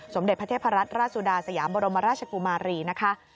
สมเด็จพระเทพรัตนราชสุดาสยามบรมราชกุมารีนะคะ